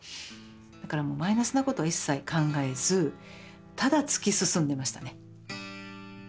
だからもうマイナスなことは一切考えずただ突き進んでましたね。